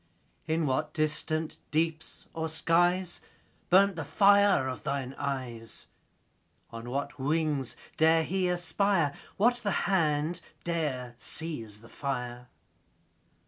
In what distant deeps or skies 5 Burnt the fire of thine eyes? On what wings dare he aspire? What the hand dare seize the fire?